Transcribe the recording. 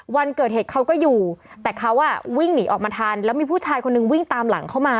วันเกิดเหตุเขาก็อยู่แต่เขาอ่ะวิ่งหนีออกมาทันแล้วมีผู้ชายคนนึงวิ่งตามหลังเข้ามา